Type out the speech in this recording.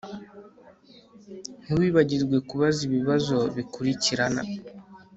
Ntiwibagirwe kubaza ibibazo bikurikirana